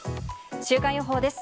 週間予報です。